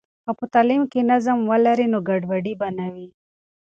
که په تعلیم کې نظم ولري، نو ګډوډي به نه وي.